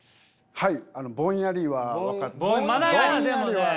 はい。